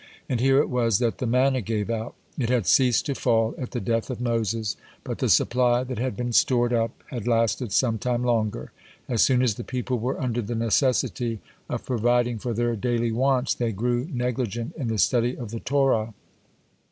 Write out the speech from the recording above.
(16) And here it was that the manna gave out. It had ceased to fall at the death of Moses, but the supply that had been stored up had lasted some time longer. (17) As soon as the people were under the necessity of providing for their daily wants, they grew negligent in the study of the Torah.